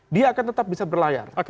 dia akan tetap bisa berlayar